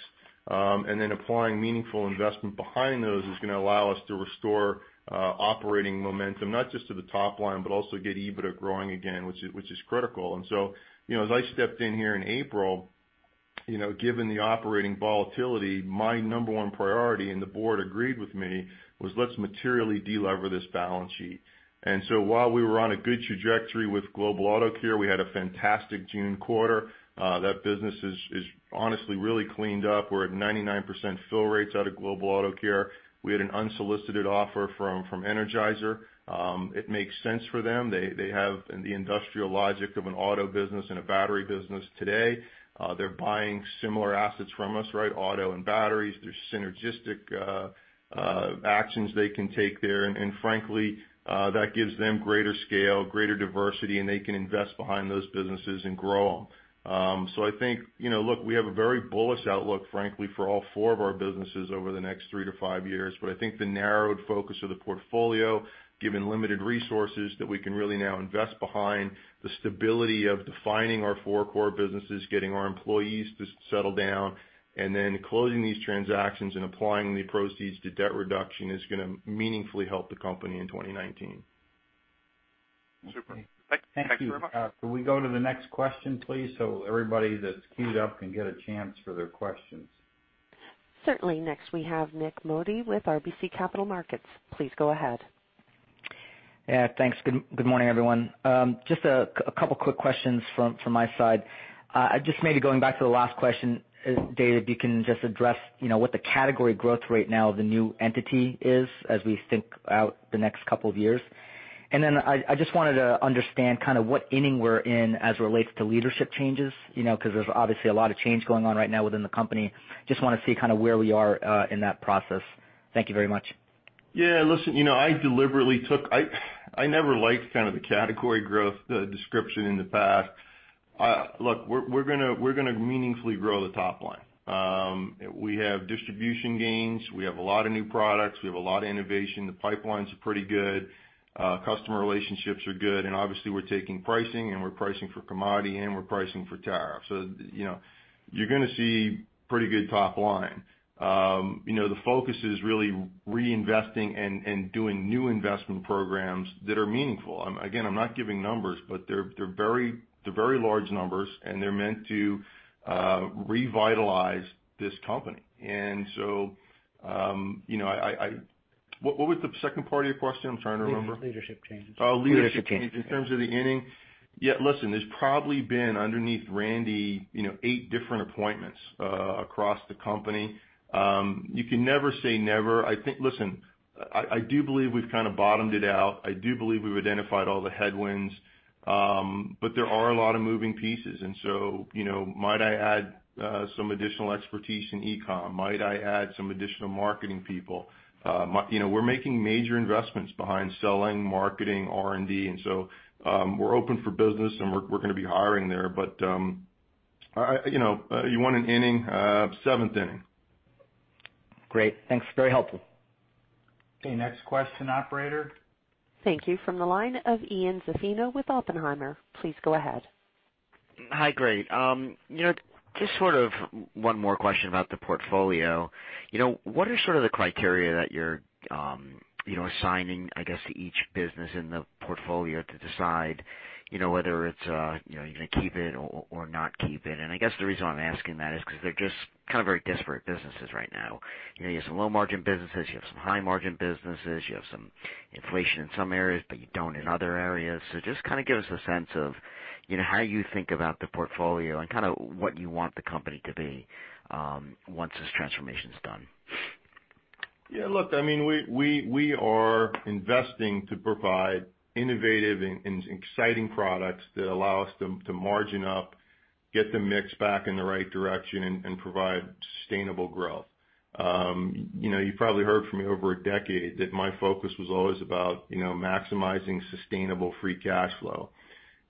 and then applying meaningful investment behind those is going to allow us to restore operating momentum, not just to the top line, but also get EBITDA growing again, which is critical. As I stepped in here in April, given the operating volatility, my number one priority, and the board agreed with me, was let's materially de-lever this balance sheet. While we were on a good trajectory with Global Auto Care, we had a fantastic June quarter. That business is honestly really cleaned up. We're at 99% fill rates out of Global Auto Care. We had an unsolicited offer from Energizer. It makes sense for them. They have the industrial logic of an auto business and a battery business today. They're buying similar assets from us, auto and batteries. There's synergistic actions they can take there, and frankly, that gives them greater scale, greater diversity, and they can invest behind those businesses and grow them. I think, look, we have a very bullish outlook, frankly, for all four of our businesses over the next three to five years. I think the narrowed focus of the portfolio, given limited resources that we can really now invest behind the stability of defining our four core businesses, getting our employees to settle down, and then closing these transactions and applying the proceeds to debt reduction, is going to meaningfully help the company in 2019. Super. Thank you very much. Can we go to the next question, please, so everybody that's queued up can get a chance for their questions? Certainly. Next we have Nik Modi with RBC Capital Markets. Please go ahead. Yeah, thanks. Good morning, everyone. Just a couple quick questions from my side. Just maybe going back to the last question, Dave, if you can just address what the category growth rate now of the new entity is as we think out the next couple of years. I just wanted to understand kind of what inning we're in as it relates to leadership changes, because there's obviously a lot of change going on right now within the company. Just want to see kind of where we are in that process. Thank you very much. Yeah. Listen, I never liked the category growth description in the past. Look, we're going to meaningfully grow the top line. We have distribution gains. We have a lot of new products. We have a lot of innovation. The pipeline's pretty good. Customer relationships are good, obviously we're taking pricing, we're pricing for commodity, we're pricing for tariff. You're going to see pretty good top line. The focus is really reinvesting and doing new investment programs that are meaningful. Again, I'm not giving numbers, they're very large numbers, they're meant to revitalize this company. What was the second part of your question? I'm trying to remember. Leadership changes. Oh, leadership changes. In terms of the inning. Yeah, listen, there's probably been, underneath Randy, eight different appointments across the company. You can never say never. Listen, I do believe we've kind of bottomed it out. I do believe we've identified all the headwinds. There are a lot of moving pieces, might I add some additional expertise in e-com? Might I add some additional marketing people? We're making major investments behind selling, marketing, R&D, we're open for business, we're going to be hiring there. You want an inning? Seventh inning. Great. Thanks. Very helpful. Okay, next question, operator. Thank you. From the line of Ian Zaffino with Oppenheimer. Please go ahead. Hi, great. Just sort of one more question about the portfolio. What are sort of the criteria that you're assigning, I guess, to each business in the portfolio to decide whether it's you're going to keep it or not keep it? I guess the reason why I'm asking that is because they're just kind of very disparate businesses right now. You have some low margin businesses, you have some high margin businesses, you have some inflation in some areas, but you don't in other areas. Just kind of give us a sense of how you think about the portfolio and kind of what you want the company to be once this transformation is done. Yeah, look, we are investing to provide innovative and exciting products that allow us to margin up, get the mix back in the right direction, and provide sustainable growth. You probably heard from me over a decade that my focus was always about maximizing sustainable free cash flow.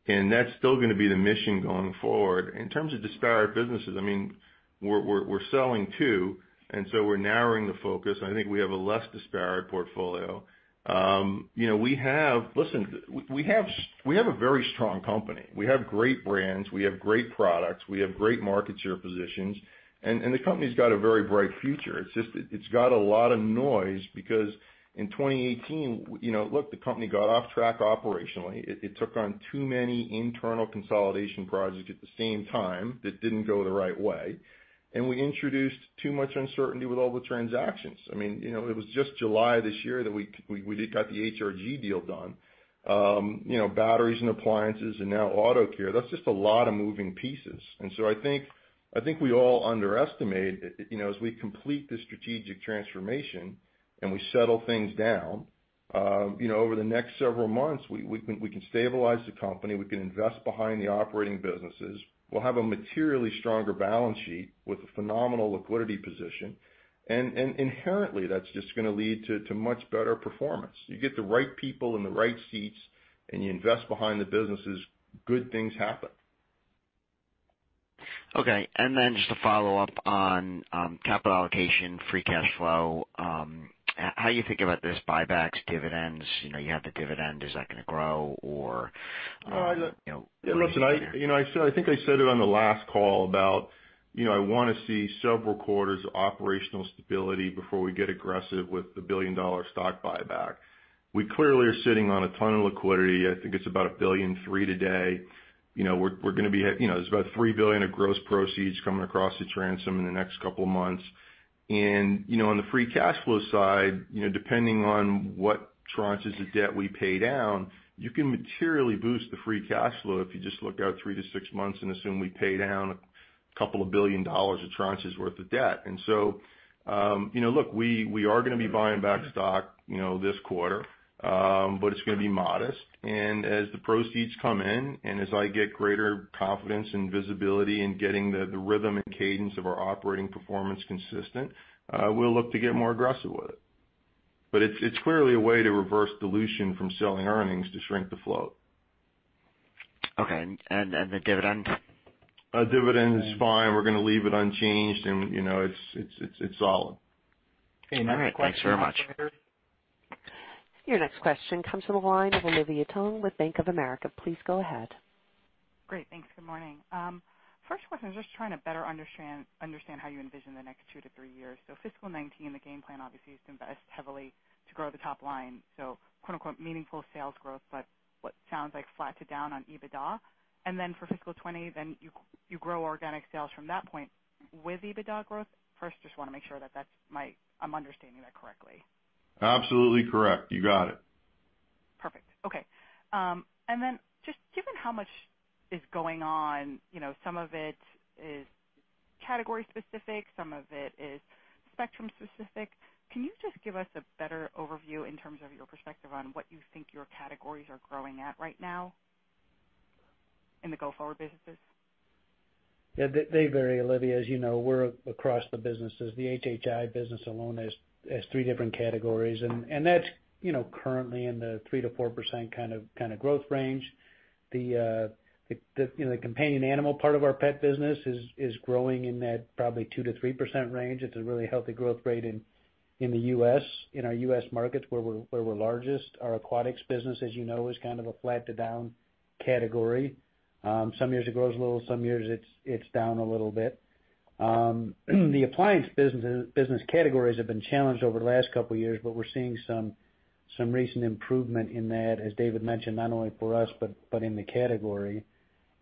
That's still going to be the mission going forward. In terms of disparate businesses, we're selling two. We're narrowing the focus. I think we have a less disparate portfolio. Listen, we have a very strong company. We have great brands, we have great products, we have great market share positions. The company's got a very bright future. It's just, it's got a lot of noise because in 2018, look, the company got off track operationally. It took on too many internal consolidation projects at the same time that didn't go the right way. We introduced too much uncertainty with all the transactions. It was just July this year that we got the HRG deal done. Batteries and appliances and now Auto Care, that's just a lot of moving pieces. I think we all underestimate, as we complete this strategic transformation and we settle things down, over the next several months, we can stabilize the company, we can invest behind the operating businesses. We'll have a materially stronger balance sheet with a phenomenal liquidity position. Inherently, that's just going to lead to much better performance. You get the right people in the right seats and you invest behind the businesses, good things happen. Okay. Just to follow up on capital allocation, free cash flow, how you think about this buybacks, dividends. You have the dividend, is that going to grow or- Listen, I think I said it on the last call about I want to see several quarters of operational stability before we get aggressive with the billion-dollar stock buyback. We clearly are sitting on a ton of liquidity. I think it's about $1.3 billion today. There's about $3 billion of gross proceeds coming across the transom in the next couple of months. On the free cash flow side, depending on what tranches of debt we pay down, you can materially boost the free cash flow if you just look out 3-6 months and assume we pay down a couple of billion dollars of tranches worth of debt. Look, we are going to be buying back stock this quarter, but it's going to be modest. As the proceeds come in, and as I get greater confidence and visibility in getting the rhythm and cadence of our operating performance consistent, we'll look to get more aggressive with it. It's clearly a way to reverse dilution from selling earnings to shrink the float. Okay. The dividend? Dividend is fine. We're going to leave it unchanged, and it's solid. All right. Thanks very much. Your next question comes from the line of Olivia Tong with Bank of America. Please go ahead. Great. Thanks. Good morning. First question, just trying to better understand how you envision the next two to three years. Fiscal 2019, the game plan obviously is to invest heavily to grow the top line, "meaningful sales growth," but what sounds like flat to down on EBITDA. For fiscal 2020, you grow organic sales from that point with EBITDA growth? First, just want to make sure that I'm understanding that correctly. Absolutely correct. You got it. Perfect. Okay. Just given how much is going on, some of it is category specific, some of it is Spectrum specific. Can you just give us a better overview in terms of your perspective on what you think your categories are growing at right now in the go-forward businesses? Yeah. They vary, Olivia. As you know, we're across the businesses. The HHI business alone has three different categories, and that's currently in the 3%-4% kind of growth range. The companion animal part of our pet business is growing in that probably 2%-3% range. It's a really healthy growth rate in the U.S., in our U.S. markets where we're largest. Our aquatics business, as you know, is kind of a flat to down category. Some years it grows a little, some years it's down a little bit. The appliance business categories have been challenged over the last couple of years, but we're seeing some recent improvement in that, as David mentioned, not only for us but in the category.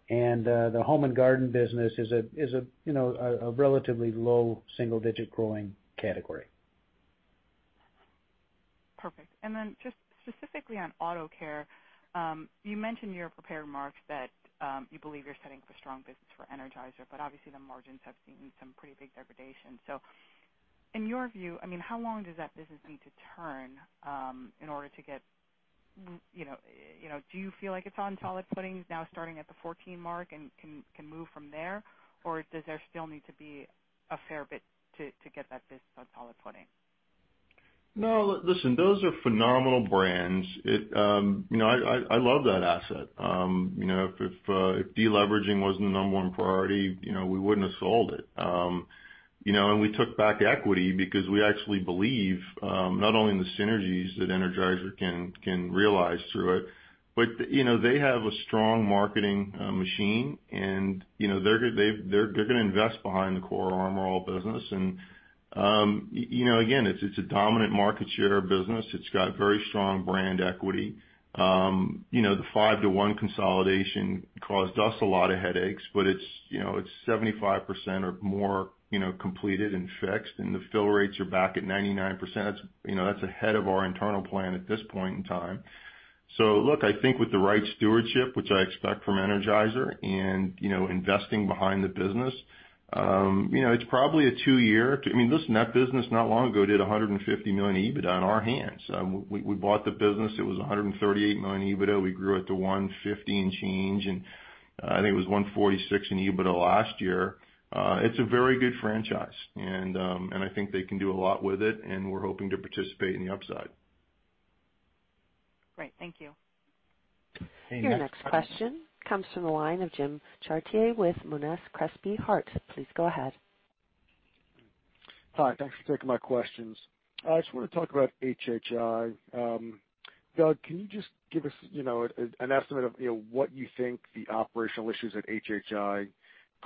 The Home & Garden business is a relatively low single-digit growing category. Perfect. Just specifically on auto care, you mentioned in your prepared remarks that you believe you're setting up a strong business for Energizer, obviously the margins have seen some pretty big degradation. In your view, how long does that business need to turn in order to get-- do you feel like it's on solid footing now starting at the 14 mark and can move from there? Or does there still need to be a fair bit to get that business on solid footing? No. Listen, those are phenomenal brands. I love that asset. If de-leveraging wasn't the number 1 priority, we wouldn't have sold it. We took back equity because we actually believe, not only in the synergies that Energizer can realize through it, but they have a strong marketing machine, and they're going to invest behind the core Armor All business. Again, it's a dominant market share business. It's got very strong brand equity. The 5 to 1 consolidation caused us a lot of headaches, it's 75% or more completed and fixed, and the fill rates are back at 99%. That's ahead of our internal plan at this point in time. Look, I think with the right stewardship, which I expect from Energizer, and investing behind the business. Listen, that business not long ago did $150 million EBITDA on our hands. We bought the business, it was $138 million EBITDA. We grew it to 150 and change. I think it was 146 in EBITDA last year. It's a very good franchise. I think they can do a lot with it. We're hoping to participate in the upside. Great. Thank you. Your next question comes from the line of Jim Chartier with Monness, Crespi, Hardt & Co. Please go ahead. Hi. Thanks for taking my questions. I just want to talk about HHI. Doug, can you just give us an estimate of what you think the operational issues at HHI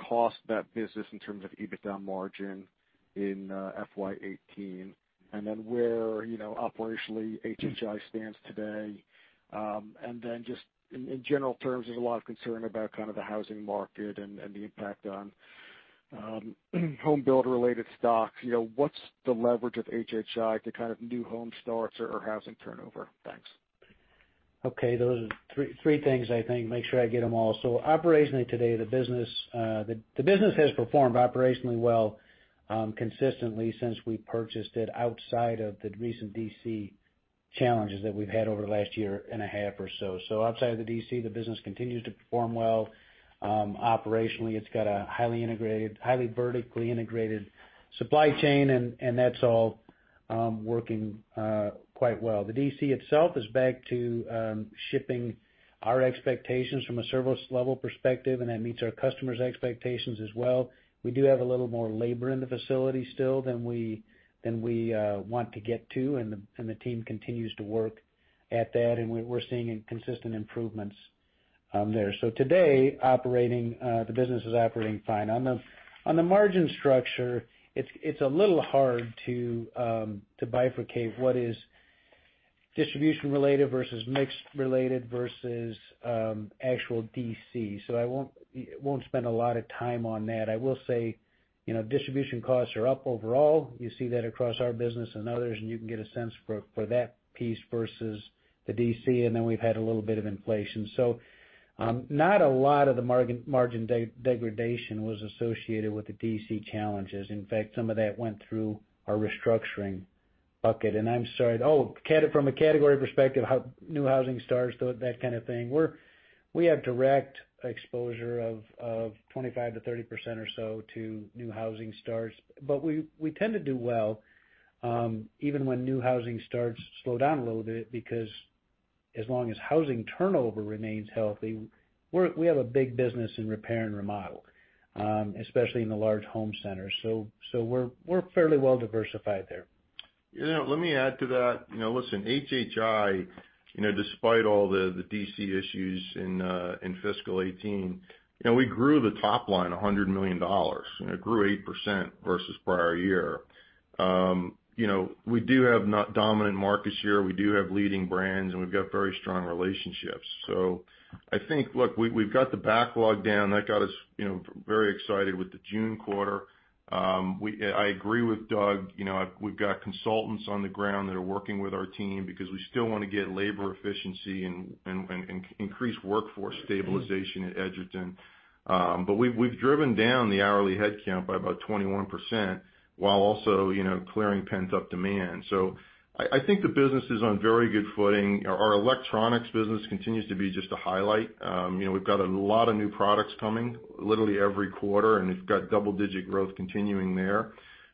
cost that business in terms of EBITDA margin in FY 2018, and then where operationally HHI stands today? Just in general terms, there's a lot of concern about kind of the housing market and the impact on home builder related stocks. What's the leverage of HHI to kind of new home starts or housing turnover? Thanks. Okay. Those are three things, I think. Make sure I get them all. Operationally today, the business has performed operationally well consistently since we purchased it outside of the recent DC challenges that we've had over the last year and a half or so. Outside of the DC, the business continues to perform well. Operationally, it's got a highly vertically integrated supply chain, and that's all working quite well. The DC itself is back to shipping our expectations from a service level perspective, and that meets our customers' expectations as well. We do have a little more labor in the facility still than we want to get to, and the team continues to work at that, and we're seeing consistent improvements there. Today, the business is operating fine. On the margin structure, it's a little hard to bifurcate what is distribution related versus mixed related versus actual DC. I won't spend a lot of time on that. I will say, distribution costs are up overall. You see that across our business and others, and you can get a sense for that piece versus the DC, and then we've had a little bit of inflation. Not a lot of the margin degradation was associated with the DC challenges. In fact, some of that went through our restructuring bucket. I'm sorry. From a category perspective, how new housing starts, that kind of thing. We have direct exposure of 25%-30% or so to new housing starts. We tend to do well, even when new housing starts to slow down a little bit, because as long as housing turnover remains healthy, we have a big business in repair and remodel, especially in the large home centers. We're fairly well diversified there. Let me add to that. Listen, HHI, despite all the DC issues in fiscal 2018, we grew the top line $100 million, and it grew 8% versus the prior year. We do have dominant markets here, we do have leading brands, and we've got very strong relationships. I think, look, we've got the backlog down. That got us very excited with the June quarter. I agree with Doug. We've got consultants on the ground that are working with our team because we still want to get labor efficiency and increase workforce stabilization at Edgerton. We've driven down the hourly headcount by about 21% while also clearing pent-up demand. I think the business is on very good footing. Our electronics business continues to be just a highlight. We've got a lot of new products coming literally every quarter, and we've got double-digit growth continuing there.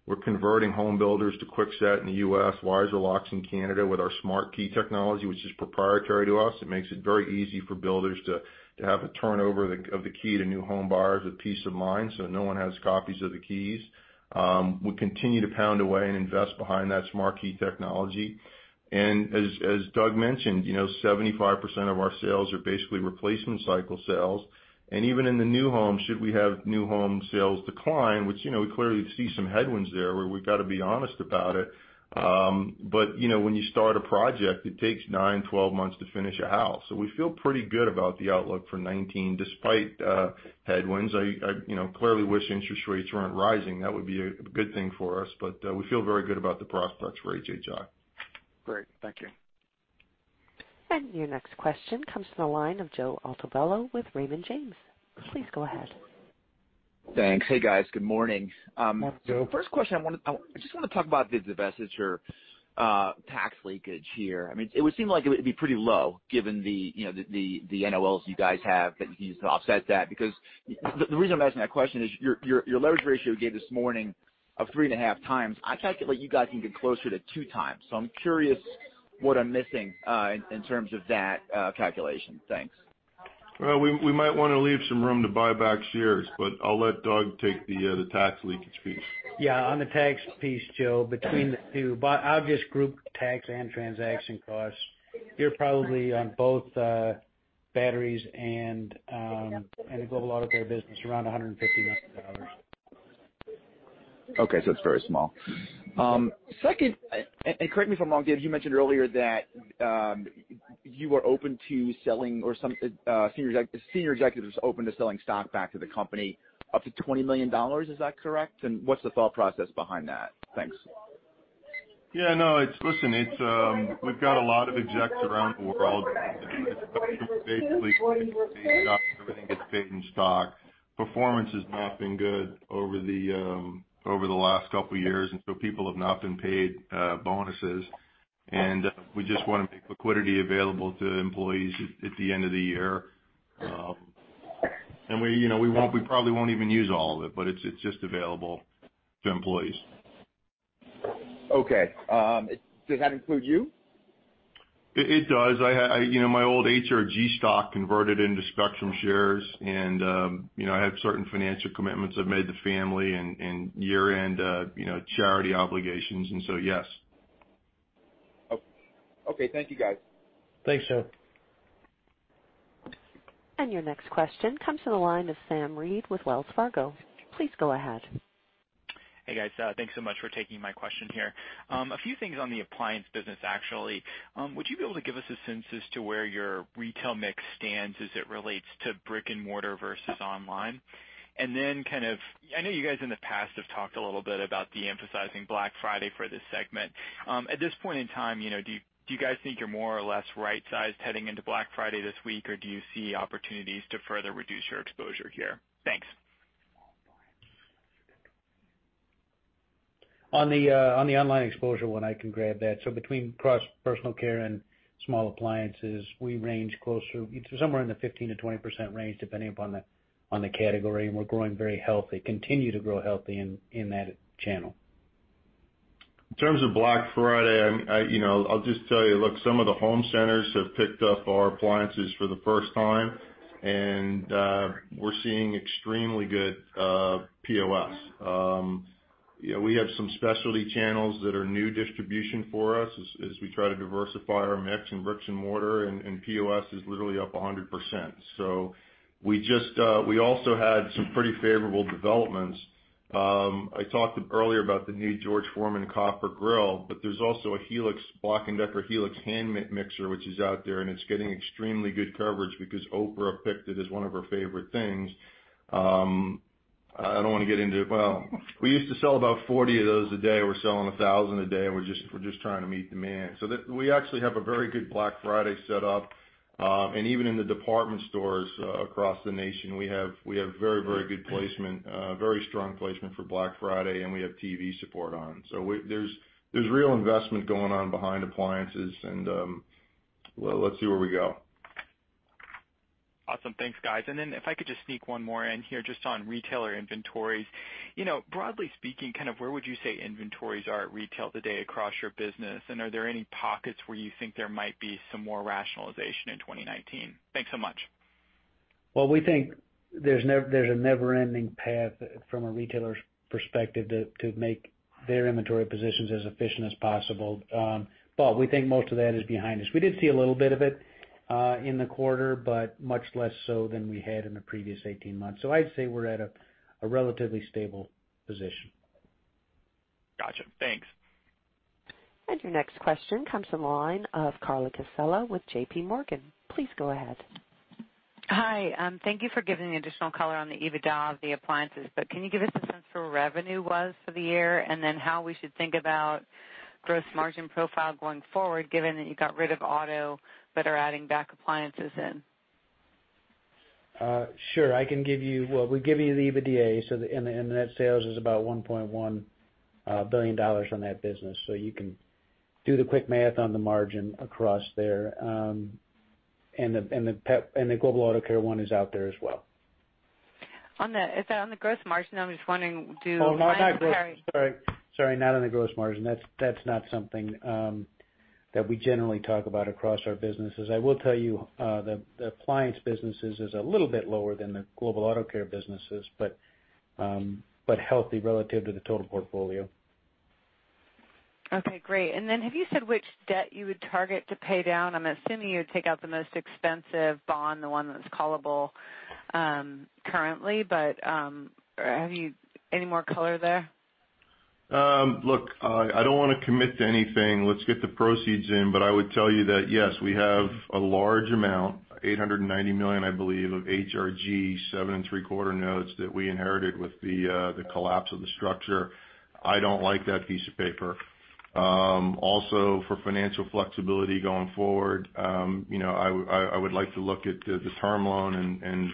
We're converting home builders to Kwikset in the U.S., Weiser locks in Canada with our SmartKey technology, which is proprietary to us. It makes it very easy for builders to have a turnover of the key to new home buyers with peace of mind, so no one has copies of the keys. We continue to pound away and invest behind that SmartKey technology. As Doug mentioned, 75% of our sales are basically replacement cycle sales. Even in the new home, should we have new home sales decline, which we clearly see some headwinds there where we've got to be honest about it. When you start a project, it takes 9-12 months to finish a house. We feel pretty good about the outlook for 2019 despite headwinds. I clearly wish interest rates weren't rising. That would be a good thing for us, but we feel very good about the prospects for HHI. Great. Thank you. Your next question comes from the line of Joseph Altobello with Raymond James. Please go ahead. Thanks. Hey, guys. Good morning. Hi, Joe. First question, I just want to talk about the divestiture tax leakage here. It would seem like it would be pretty low given the NOLs you guys have that you can use to offset that, because the reason I'm asking that question is your leverage ratio you gave this morning of three and a half times. I calculate you guys can get closer to two times. I'm curious what I'm missing in terms of that calculation. Thanks. Well, we might want to leave some room to buy back shares, I'll let Doug take the tax leakage piece. Yeah, on the tax piece, Joe, between the two, I'll just group tax and transaction costs. You're probably on both batteries and the Global Auto Care business, around $150 million. Okay. It's very small. Yes. Second, correct me if I'm wrong, Dave, you mentioned earlier that you were open to selling, or senior executives were open to selling stock back to the company up to $20 million. Is that correct? What's the thought process behind that? Thanks. Yeah. No, listen, we've got a lot of execs around the world. Everything gets paid in stock. Performance has not been good over the last couple of years, people have not been paid bonuses. We just want to make liquidity available to employees at the end of the year. We probably won't even use all of it, but it's just available to employees. Okay. Does that include you? It does. My old HRG stock converted into Spectrum shares, and I have certain financial commitments I've made to family and year-end charity obligations, yes. Okay. Thank you, guys. Thanks, Joe. Your next question comes from the line of Sam Reid with Wells Fargo. Please go ahead. Hey, guys. Thanks so much for taking my question here. A few things on the appliance business, actually. Would you be able to give us a sense as to where your retail mix stands as it relates to brick and mortar versus online? Then, I know you guys in the past have talked a little bit about de-emphasizing Black Friday for this segment. At this point in time, do you guys think you're more or less right-sized heading into Black Friday this week, or do you see opportunities to further reduce your exposure here? Thanks. On the online exposure one, I can grab that. Between across personal care and small appliances, we range closer somewhere in the 15%-20% range, depending upon the category, and we're growing very healthy, continue to grow healthy in that channel. In terms of Black Friday, I'll just tell you, look, some of the home centers have picked up our appliances for the first time, and we're seeing extremely good POS. We have some specialty channels that are new distribution for us as we try to diversify our mix in bricks and mortar, and POS is literally up 100%. We also had some pretty favorable developments. I talked earlier about the new George Foreman copper grill, but there's also a Black & Decker Helix hand mixer, which is out there, and it's getting extremely good coverage because Oprah picked it as one of her favorite things. I don't want to get into it. Well, we used to sell about 40 of those a day. We're selling 1,000 a day, and we're just trying to meet demand. We actually have a very good Black Friday set up. Even in the department stores across the nation, we have very good placement, very strong placement for Black Friday, and we have TV support on. There's real investment going on behind appliances, and let's see where we go. Awesome. Thanks, guys. Then if I could just sneak one more in here, just on retailer inventories. Broadly speaking, where would you say inventories are at retail today across your business? Are there any pockets where you think there might be some more rationalization in 2019? Thanks so much. Well, we think there's a never-ending path from a retailer's perspective to make their inventory positions as efficient as possible. We think most of that is behind us. We did see a little bit of it in the quarter, but much less so than we had in the previous 18 months. I'd say we're at a relatively stable position. Got you. Thanks. Your next question comes from the line of Carla Casella with J.P. Morgan. Please go ahead. Hi. Thank you for giving the additional color on the EBITDA of the appliances. Can you give us a sense for where revenue was for the year, and then how we should think about gross margin profile going forward, given that you got rid of auto but are adding back appliances in? Sure. We gave you the EBITDA, the net sales is about $1.1 billion on that business. You can do the quick math on the margin across there. The Global Auto Care one is out there as well. On the gross margin, I'm just wondering. Oh, not gross. Sorry. Not on the gross margin. That's not something that we generally talk about across our businesses. I will tell you, the appliance business is a little bit lower than the Global Auto Care business is, healthy relative to the total portfolio. Okay, great. Have you said which debt you would target to pay down? I'm assuming you would take out the most expensive bond, the one that's callable currently. Have you any more color there? Look, I don't want to commit to anything. Let's get the proceeds in. I would tell you that, yes, we have a large amount, $890 million, I believe, of HRG seven-and-three-quarter notes that we inherited with the collapse of the structure. I don't like that piece of paper. Also, for financial flexibility going forward, I would like to look at the term loan and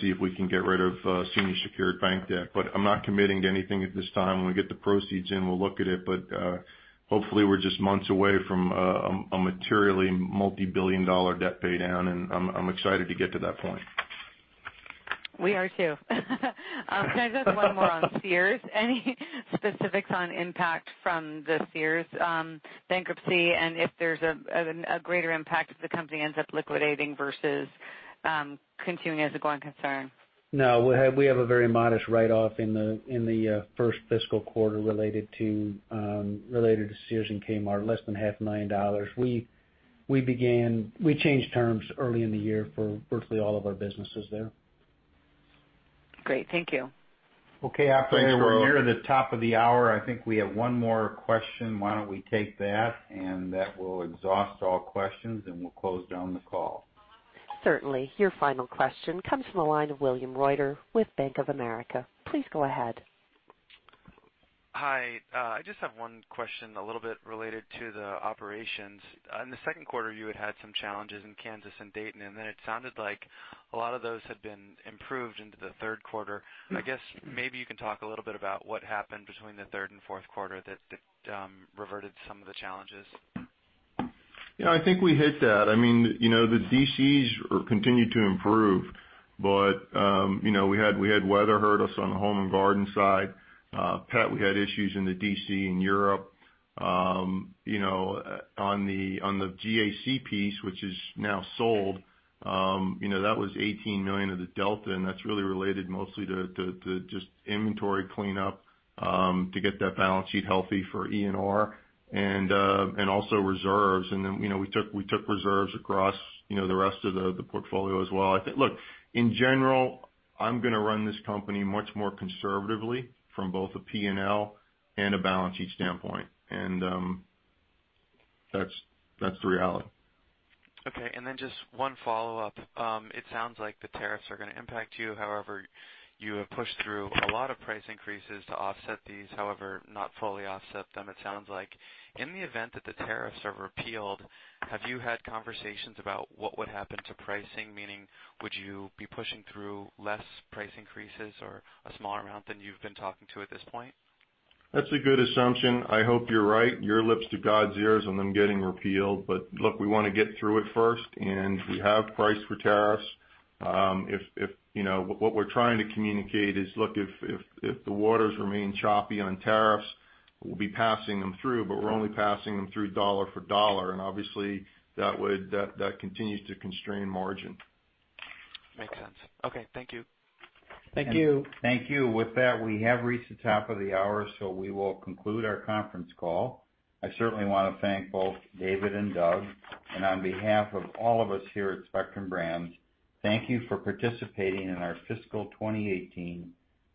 see if we can get rid of senior secured bank debt. I'm not committing to anything at this time. When we get the proceeds in, we'll look at it. Hopefully we're just months away from a materially multi-billion dollar debt paydown, and I'm excited to get to that point. We are too. Can I get one more on Sears? Any specifics on impact from the Sears bankruptcy, if there's a greater impact if the company ends up liquidating versus continuing as a going concern? No. We have a very modest write-off in the first fiscal quarter related to Sears and Kmart, less than half a million dollars. We changed terms early in the year for virtually all of our businesses there. Great. Thank you. Okay. Thanks, everyone. Okay. We're near the top of the hour. I think we have one more question. Why don't we take that, and that will exhaust all questions, and we'll close down the call. Certainly. Your final question comes from the line of William Reuter with Bank of America. Please go ahead. Hi. I just have one question a little bit related to the operations. In the second quarter, you had had some challenges in Kansas and Dayton, then it sounded like a lot of those had been improved into the third quarter. I guess maybe you can talk a little bit about what happened between the third and fourth quarter that reverted some of the challenges. Yeah, I think we hit that. The DCs continued to improve. We had weather hurt us on the Home & Garden side. PET, we had issues in the DC in Europe. On the GAC piece, which is now sold, that was $18 million of the delta, and that's really related mostly to just inventory cleanup to get that balance sheet healthy for Energizer and also reserves. We took reserves across the rest of the portfolio as well. Look, in general, I'm going to run this company much more conservatively from both a P&L and a balance sheet standpoint. That's the reality. Okay. Just one follow-up. It sounds like the tariffs are going to impact you. However, you have pushed through a lot of price increases to offset these, however, not fully offset them, it sounds like. In the event that the tariffs are repealed, have you had conversations about what would happen to pricing? Meaning, would you be pushing through less price increases or a smaller amount than you've been talking to at this point? That's a good assumption. I hope you're right. Your lips to God's ears on them getting repealed. Look, we want to get through it first. We have priced for tariffs. What we're trying to communicate is, look, if the waters remain choppy on tariffs, we'll be passing them through, but we're only passing them through dollar for dollar, and obviously that continues to constrain margin. Makes sense. Okay. Thank you. Thank you. Thank you. With that, we have reached the top of the hour, so we will conclude our conference call. I certainly want to thank both David and Doug. On behalf of all of us here at Spectrum Brands, thank you for participating in our fiscal 2018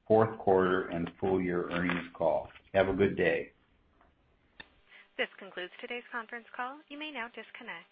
fourth quarter and full year earnings call. Have a good day. This concludes today's conference call. You may now disconnect.